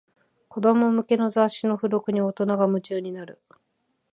子供向けの雑誌の付録に大人が夢中になる